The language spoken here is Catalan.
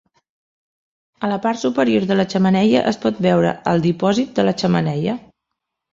A la part superior de la xemeneia, es pot veure el dipòsit de la xemeneia